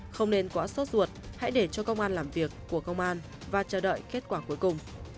không nên quá sốt ruột hãy để cho công an làm việc của công an và chờ đợi kết quả cuối cùng